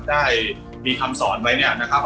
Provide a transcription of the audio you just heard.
ได้มีคำสอนไว้นะครับ